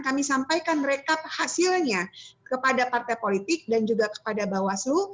kami sampaikan rekap hasilnya kepada partai politik dan juga kepada bawaslu